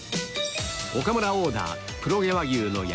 岡村オーダー